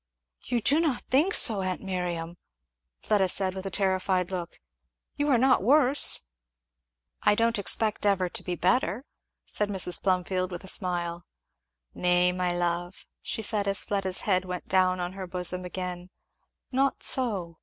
"You do not think so, aunt Miriam!" Fleda said with a terrified look. "You are not worse?" "I don't expect ever to be better," said Mrs. Plumfield with a smile. "Nay, my love," she said, as Fleda's head went down on her bosom again, "not so!